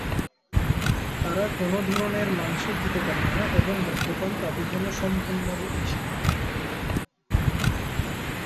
তারা কোন ধরনের মাংস খেতে পারেনা এবং মদ্যপান তাদের জন্য সম্পূর্ণ নিষিদ্ধ।